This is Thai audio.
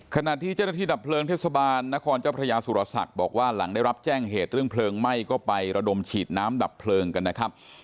ขณะที่เจ้าหน้าที่ดับเพลิงเทศบาลนครเจ้าพระยาสุรศักดิ์บอกว่าหลังได้รับแจ้งเหตุเรื่องเพลิงไหม้ก็ไประดมฉีดน้ำดับเพลิงกันนะครับ